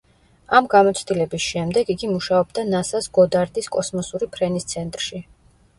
ამ გამოცდილების შემდეგ, იგი მუშაობდა ნასას გოდარდის კოსმოსური ფრენის ცენტრში.